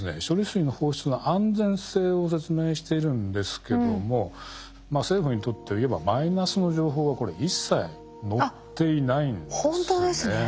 処理水の放出の安全性を説明しているんですけども政府にとっていえばマイナスの情報はこれ一切載っていないんですね。